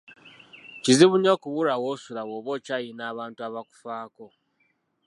Kizibu nnyo okubulwa w'osula bwoba okyayina abantu abakufaako.